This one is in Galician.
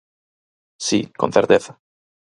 Si, con certeza.